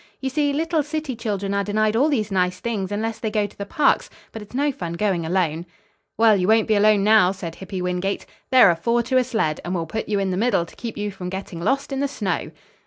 You see, little city children are denied all these nice things unless they go to the parks, but it's no fun going alone." "Well, you won't be alone now," said Hippy Wingate. "There are four to a sled, and we'll put you in the middle to keep you from getting lost in the snow."